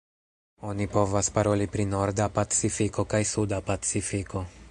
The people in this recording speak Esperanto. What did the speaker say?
Oni povas paroli pri Norda Pacifiko kaj Suda Pacifiko.